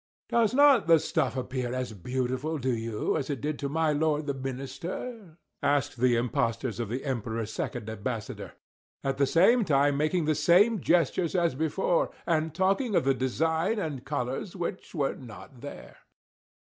"Does not the stuff appear as beautiful to you, as it did to my lord the minister?" asked the impostors of the Emperor's second ambassador; at the same time making the same gestures as before, and talking of the design and colors which were not there.